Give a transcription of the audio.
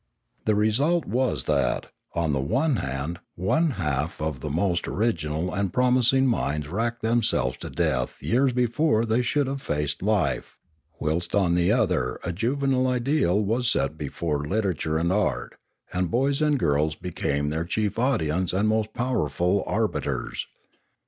The result was that, on the one hand, one half of the most original and promising minds racked themselves to death years before they should have faced life, whilst on the other a juvenile ideal was set before literature and art, and boys and girls became their chief audience and most powerful arbi ters.